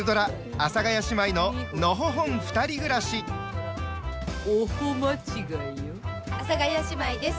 阿佐ヶ谷姉妹です。